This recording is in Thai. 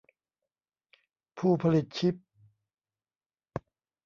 ผู้ผลิตชิป